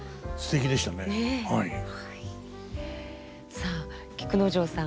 さあ菊之丞さん